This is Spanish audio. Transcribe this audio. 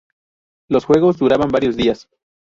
Los juegos duraban varios días.